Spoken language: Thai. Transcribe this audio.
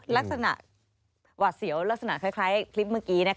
เหมือนคลิปเมื่อกี้